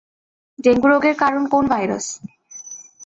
Dengue রোগের কারণ কোন ভাইরাস?